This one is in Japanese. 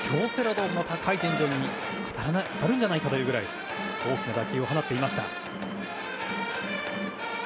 大阪の高い天井に当たるんじゃないかというくらい大きな打球を放っていました。